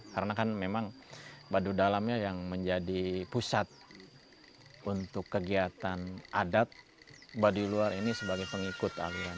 karena kan memang baduidalamnya yang menjadi pusat untuk kegiatan adat baduiluar ini sebagai pengikut aliran